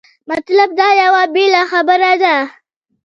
مطلب دا یوه بېله خبره ده.